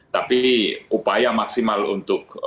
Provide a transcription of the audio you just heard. tapi upaya maksimal untuk